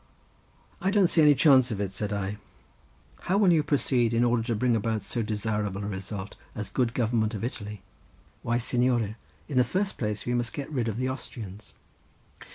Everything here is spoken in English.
"I don't see any chance of it," said I. "How will you proceed in order to bring about so desirable a result as the good government of Italy?" "Why, signore, in the first place we must get rid of the Austrians."